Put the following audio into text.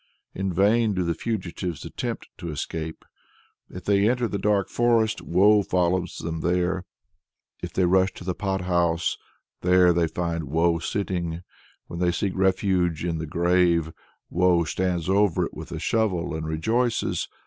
In vain do the fugitives attempt to escape. If they enter the dark forest, Woe follows them there; if they rush to the pot house, there they find Woe sitting; when they seek refuge in the grave, Woe stands over it with a shovel and rejoices.